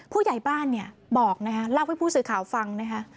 ผู้ใหญ่บ้านนี่บอกนะฮะลากมาทำผู้สื่อข่าวฟังนะฮะ